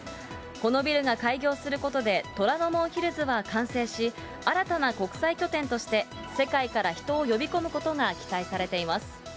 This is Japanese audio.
このビルが開業することで、虎ノ門ヒルズは完成し、新たな国際拠点として、世界から人を呼び込むことが期待されています。